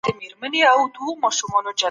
د مالونو په تقسيم کي عدالت وکړئ.